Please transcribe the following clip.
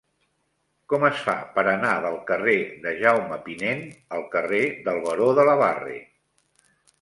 Com es fa per anar del carrer de Jaume Pinent al carrer del Baró de la Barre?